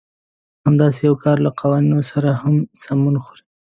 همداسې يو کار له قوانينو سره هم سمون خوري.